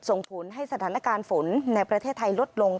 ส่งผลให้สถานการณ์ฝนในประเทศไทยลดลง